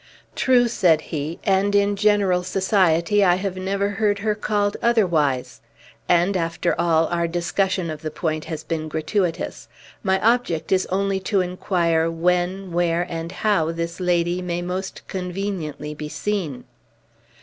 "True," said he; "and in general society I have never heard her called otherwise. And, after all, our discussion of the point has been gratuitous. My object is only to inquire when, where, and how this lady may most conveniently be seen."